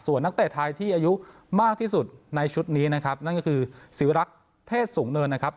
นักเตะไทยที่อายุมากที่สุดในชุดนี้นะครับนั่นก็คือศิวรักษ์เทศสูงเนินนะครับ